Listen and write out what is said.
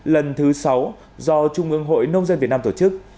lần thứ sáu do trung ương hội nông dân việt nam tổ chức